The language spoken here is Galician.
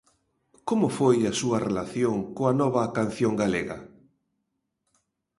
Como foi a súa relación coa Nova Canción Galega?